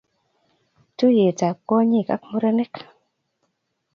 Tuiyet ab kwonyik ak murenik